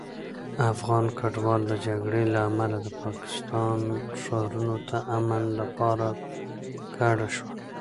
افغان کډوال د جګړې له امله د پاکستان ښارونو ته امن لپاره کډه شول.